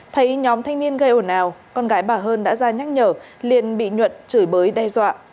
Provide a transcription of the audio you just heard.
thấy nhóm thanh niên gây ồn ào con gái bà hơn đã ra nhắc nhở liền bị nhuận chửi bới đe dọa